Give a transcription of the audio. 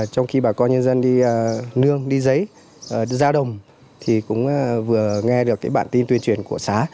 trong khi bà con nhân dân đi nương đi giấy ra đồng thì cũng vừa nghe được bản tin tuyên truyền của xã